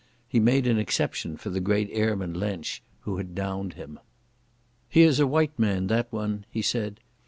He made an exception for the great airman Lensch, who had downed him. "He is a white man, that one," he said.